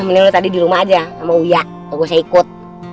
mending lo tadi dirumah aja sama uya gak usah ikut